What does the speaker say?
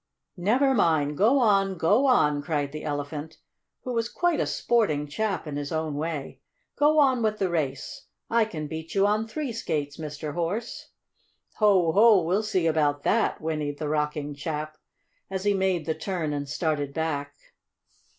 "Never mind! Go on! Go on!" cried the Elephant, who was quite a sporting chap in his own way. "Go on with the race! I can beat you on three skates, Mr. Horse!" "Ho! Ho! We'll see about that!" whinnied the rocking chap, as he made the turn and started back.